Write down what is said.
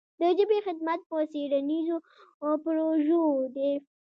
د ژبې خدمت په څېړنیزو پروژو دی.